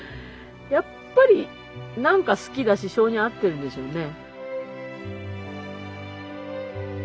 やっぱり何か好きだし性に合ってるんでしょうね。